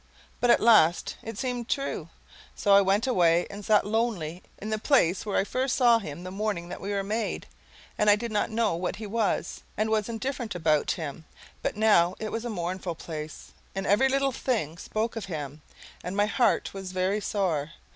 But at last it seemed true, so I went away and sat lonely in the place where I first saw him the morning that we were made and I did not know what he was and was indifferent about him; but now it was a mournful place, and every little thing spoke of him, and my heart was very sore.